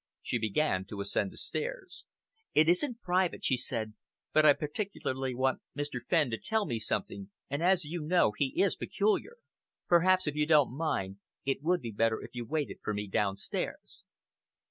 She began to ascend the stairs. "It isn't private," she said, "but I particularly want Mr. Fenn to tell me something, and as you know, he is peculiar. Perhaps, if you don't mind, it would be better if you waited for me downstairs."